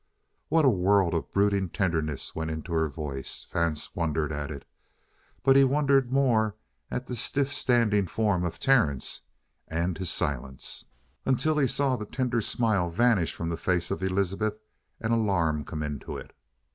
What a world of brooding tenderness went into her voice! Vance wondered at it. But he wondered more at the stiff standing form of Terence, and his silence; until he saw the tender smile vanish from the face of Elizabeth and alarm come into it.